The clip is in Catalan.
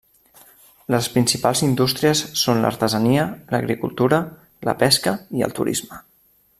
Les principals indústries són l'artesania, l'agricultura, la pesca i el turisme.